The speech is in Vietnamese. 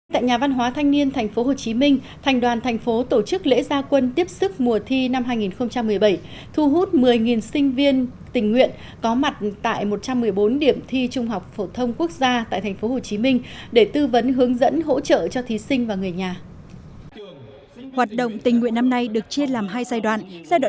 tại nhà văn hóa thanh niên tp hcm thành đoàn thành phố tổ chức lễ gia quân tiếp sức mùa thi năm hai nghìn một mươi bảy thu hút một mươi sinh viên tình nguyện có mặt tại một trăm một mươi bốn điểm thi trung học phổ thông quốc gia tại tp hcm để tư vấn hướng dẫn hỗ trợ cho thí sinh và người nhà